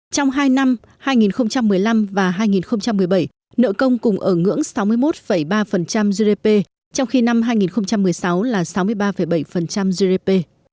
trong hai năm hai nghìn một mươi năm và hai nghìn một mươi bảy nợ công cùng ở ngưỡng sáu mươi một ba gdp trong khi năm hai nghìn một mươi sáu là sáu mươi ba bảy gdp